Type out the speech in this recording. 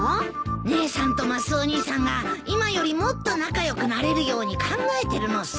姉さんとマスオ兄さんが今よりもっと仲良くなれるように考えてるのさ。